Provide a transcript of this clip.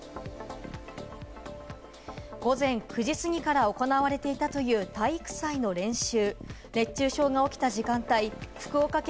午前９時過ぎから行われていたという体育祭の練習。